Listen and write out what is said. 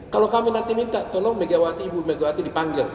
kalau kami nanti minta tolong megawati ibu megawati dipanggil